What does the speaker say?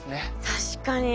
確かに。